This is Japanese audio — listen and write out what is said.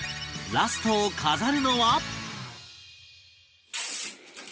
ラストを飾るのは